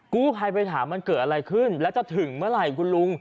กู้ภัยไปถามมันเกิดอะไรขึ้นแล้วจะถึงเมื่อไหร่คุณลุง